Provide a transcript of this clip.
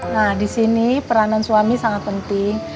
nah disini peranan suami sangat penting